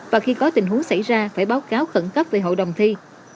và khi có tình huống xảy ra phải báo cáo khẩn cấp về hội đồng thi